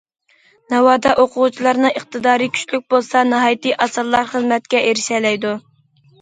ناۋادا ئوقۇغۇچىلارنىڭ ئىقتىدارى كۈچلۈك بولسا، ناھايىتى ئاسانلا خىزمەتكە ئېرىشەلەيدۇ.